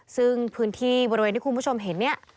ซึ่งพื้นที่บริเวณที่คุณผู้ชมเห็นเนี่ย